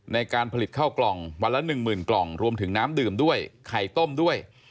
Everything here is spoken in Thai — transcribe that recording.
ในการผลิตข้าวกล่องวันละ๑๐๐๐กล่องรวมถึงน้ำดื่มด้วยไข่ต้มด้วย